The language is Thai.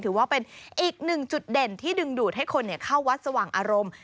ถือว่าเป็นอีกหนึ่งจุดเด่นที่ดึงดูดให้คนเข้าวัดสว่างอารมณ์